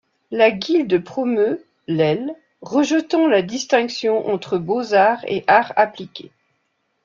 La guilde promeut l', rejetant la distinction entre beaux-arts et arts appliqués.